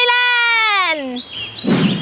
สะพานหินเกิดถึงจากธรรมชาติ